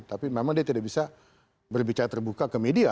tapi memang dia tidak bisa berbicara terbuka ke media